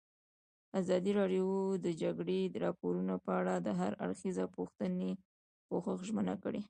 ازادي راډیو د د جګړې راپورونه په اړه د هر اړخیز پوښښ ژمنه کړې.